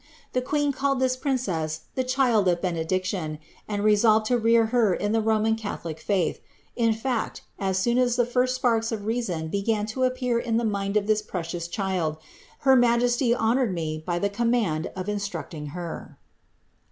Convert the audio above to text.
The queen called this princess the ^ child of bene diction,' and resolved to rear her in the Roman catholic liuth. In iact, as soon as the first sparks of reason began to appear in the mind of this precious child, her majesty honoured me by the command of instrocting her."